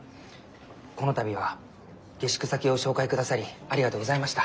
この度は下宿先を紹介くださりありがとうございました。